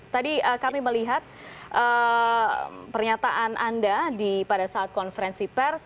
tadi kami melihat pernyataan anda pada saat konferensi pers